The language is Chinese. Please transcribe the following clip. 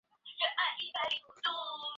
它们的迷鸟也有在新喀里多尼亚出没。